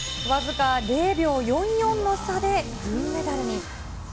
僅か０秒４４の差で銀メダル